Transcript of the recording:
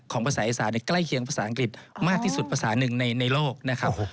ภาษาอีสานใกล้เคียงภาษาอังกฤษมากที่สุดภาษาหนึ่งในโลกนะครับ